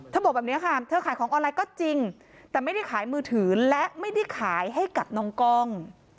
บอกแบบนี้ค่ะเธอขายของออนไลน์ก็จริงแต่ไม่ได้ขายมือถือและไม่ได้ขายให้กับน้องกล้อง